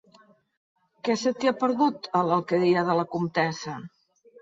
Què se t'hi ha perdut, a l'Alqueria de la Comtessa?